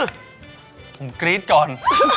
คุณกรี๊ดก่อน